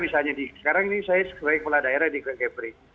misalnya sekarang ini saya sebagai kepala daerah di kepri